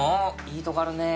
いいとこあるね。